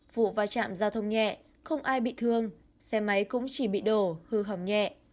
vụ va chạm giao thông nhẹ không ai bị thương xe máy cũng chỉ bị đổ hư hỏng nhẹ